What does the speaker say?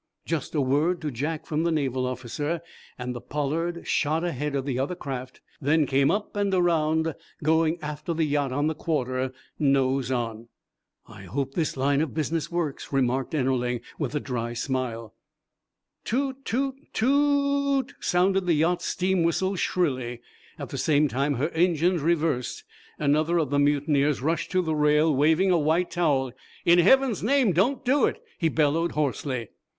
Just a word to Jack from the Naval officer, and the "Pollard" shot ahead of the other craft, then came up and around, going after the yacht on the quarter, nose on. "I hope this line of business works," remarked Ennerling, with a dry smile. "Toot! toot! too oo oot!" sounded the yacht's steam whistle, shrilly. At the same time her engines reversed. Another of the mutineers rushed to the rail, waving a white towel. "In heaven's name, don't do it!" he bellowed, hoarsely.